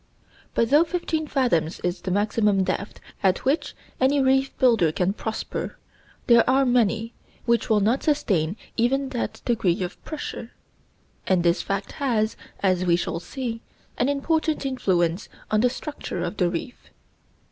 But though fifteen fathoms is the maximum depth at which any reef builder can prosper, there are many which will not sustain even that degree of pressure; and this fact has, as we shall see, an important influence on the structure of the reef.